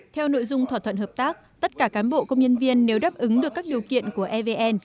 theo nội dung thỏa thuận hợp tác tất cả cán bộ công nhân viên nếu đáp ứng được các điều kiện của evn